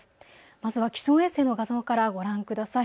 まずは気象衛星の画像からご覧ください。